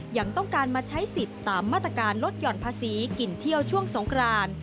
ยังต้องการมาใช้สิทธิ์ตามมาตรการลดหย่อนภาษีกินเที่ยวช่วงสงคราน